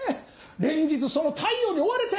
連日その対応に追われて！